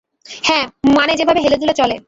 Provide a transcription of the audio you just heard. হ্যাঁ, মানে যেভাবে হেলেদুলে চলে।